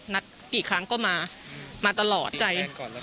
กี่ครั้งก็มามาตลอดใจ